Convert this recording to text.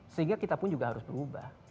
sehingga kita pun juga harus berubah